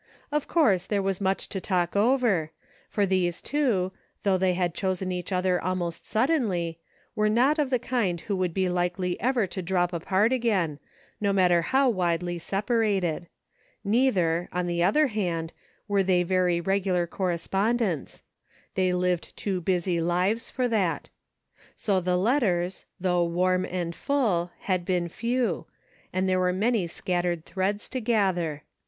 Of course there was much to talk over, for the two, though they had chosen each other almost suddenly, were not of the kind who would be likely ever to drop apart again, no matter how widely separated ; neither, on the other hand, were they very regular correspondents ; they lived too busy lives for that. So the letters, though warm and full, had been few, and there were many scattered threads to gather.